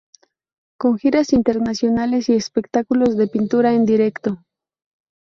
Con giras internacionales y espectáculos de pintura en directo.